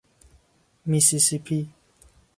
میسیسیپی